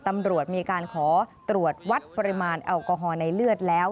ตำรวจมีการขอตรวจวัดปริมาณแอลกอฮอลในเลือดแล้ว